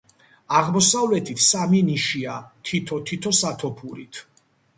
აღმოსავლეთით სამი ნიშია, თითო-თითო სათოფურით.